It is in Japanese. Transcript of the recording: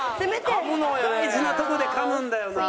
大事なとこでかむんだよな。